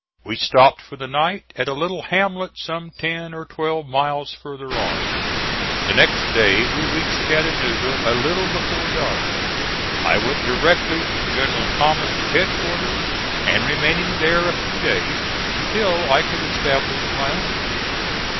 We stopped for the night at a little hamlet some ten or twelve miles farther on. The next day we reached Chattanooga a little before dark. I went directly to General Thomas's headquarters, and remaining there a few days, until I could establish my own.